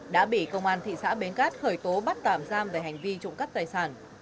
đã bị công an thị xã bến cát khởi tố bắt tạm giam về hành vi trộm cắp tài sản